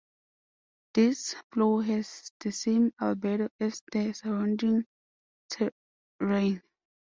This floor has the same albedo as the surrounding terrain.